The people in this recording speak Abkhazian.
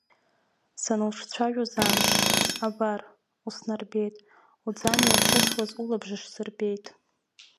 Сануҿцәажәоз амш, абар, уснарбеит, уӡамҩа иахьысуаз улабжыш сырбеит.